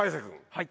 はい。